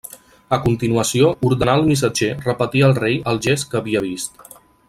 A continuació ordenà al missatger repetir al rei el gest que havia vist.